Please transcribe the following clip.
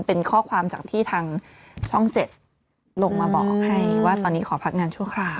เป็นข้อความจากที่ทางช่อง๗ลงมาบอกให้ว่าตอนนี้ขอพักงานชั่วคราว